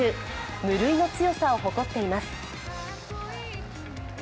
無類の強さを誇っています。